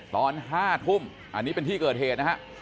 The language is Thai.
ตอน๕ทุ่มอันนี้เป็นที่เกิดเหตุนะฮะ